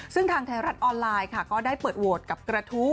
ซึ่งทางไทยรัฐออนไลน์ค่ะก็ได้เปิดโหวตกับกระทู้